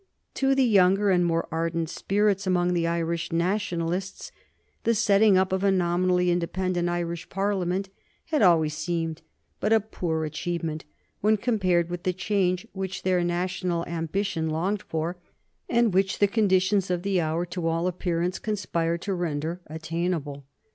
To the younger and more ardent spirits among the Irish nationalists the setting up of a nominally independent Irish Parliament had always seemed but a poor achievement when compared with the change which their national ambition longed for and which the conditions of the hour to all appearance conspired to render attainable.